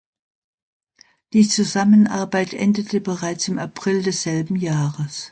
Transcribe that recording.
Die Zusammenarbeit endete bereits im April desselben Jahres.